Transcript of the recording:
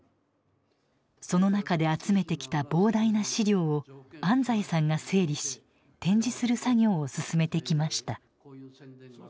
その中で集めてきた膨大な資料を安斎さんが整理し展示する作業を進めてきました。